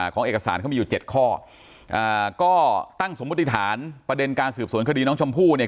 ของเอกสารเขามีอยู่เจ็ดข้ออ่าก็ตั้งสมมุติฐานประเด็นการสืบสวนคดีน้องชมพู่เนี่ย